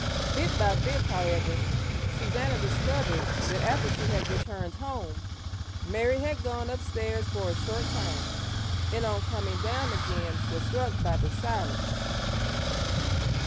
Bit by bit, however, Susannah discovered that after she had returned home, Mary had gone upstairs for a short time, and on coming down again was struck by the silence.